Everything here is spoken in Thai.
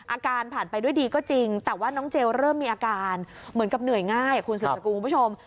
ผ่านไปด้วยดีก็จริงแต่ว่าน้องเจลเริ่มมีอาการเหมือนกับเหนื่อยง่ายคุณสืบสกุลคุณผู้ชม